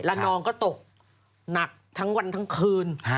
นองก็ตกหนักทั้งวันทั้งคืน